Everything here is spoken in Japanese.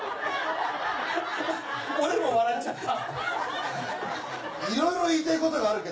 俺も笑っちゃった。